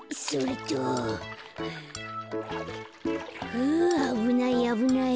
ふうあぶないあぶない。